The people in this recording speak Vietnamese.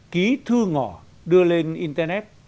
ký thư ngỏ đưa lên internet